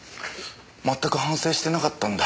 まったく反省してなかったんだ